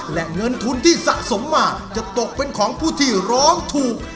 และเงินทุนที่สะสมมาจะตกเป็นของผู้ที่ร้องถูก